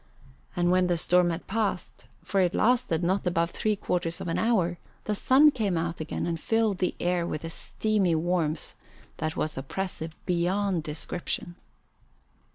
And when the storm had passed, for it lasted not above three quarters of an hour, the sun came out again and filled the air with a steamy warmth that was oppressive beyond description.